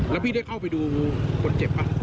แล้วพี่ได้เข้าไปดูคนเจ็บป่ะ